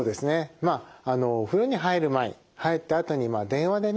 まあお風呂に入る前入ったあとに電話でね